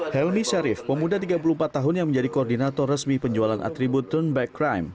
helmi syarif pemuda tiga puluh empat tahun yang menjadi koordinator resmi penjualan atribut turn back crime